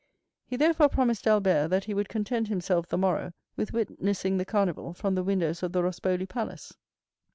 He therefore promised Albert that he would content himself the morrow with witnessing the Carnival from the windows of the Rospoli Palace.